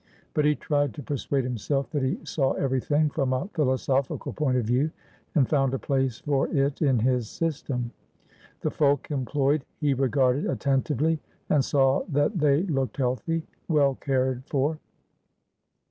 But he tried to persuade himself that he saw everything from a philosophical point of view, and found a place for it in his system. The folk employed he regarded attentively and saw that they looked healthy, well cared for.